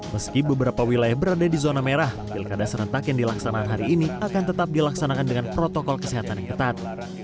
meski beberapa wilayah berada di zona merah pilkada serentak yang dilaksanakan hari ini akan tetap dilaksanakan dengan protokol kesehatan yang ketat